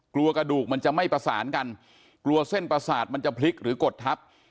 กลัวกระดูกมันจะไม่ประสานกันกลัวเส้นประสาทมันจะพลิกหรือกดทับ